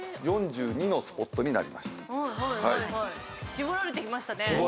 絞られてきましたね。